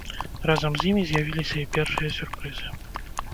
Разам з імі з'явіліся і першыя сюрпрызы.